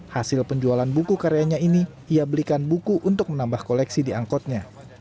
hasil penjualan buku karyanya ini ia belikan buku untuk menambah koleksi di angkotnya